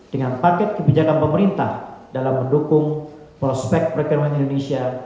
dengan paket kebijakan pemerintah dalam mendukung prospek perekonomian indonesia